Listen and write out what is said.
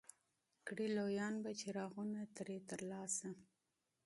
کړي لویان به څراغونه ترې ترلاسه